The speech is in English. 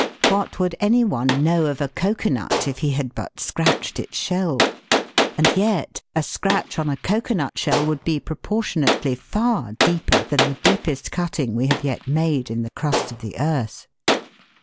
What would any one know of a cocoanut if he had but scratched its shell ? And yet a scratch on a cocoanut shell would be proportionately far deeper than the deepest cutting we have yet made in the crust of the earth.